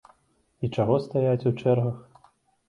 І чаго стаяць у чэргах?